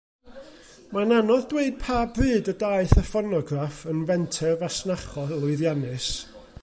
Mae'n anodd dweud pa bryd y daeth y ffonograff yn fenter fasnachol lwyddiannus.